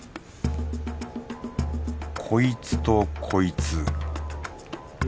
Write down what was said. こいつとこいつ。